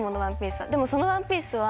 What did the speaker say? でもそのワンピースは。